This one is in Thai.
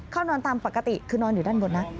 นอนตามปกติคือนอนอยู่ด้านบนนะ